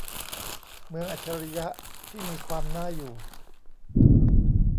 เมืองอัจฉริยะที่มีความน่าอยู่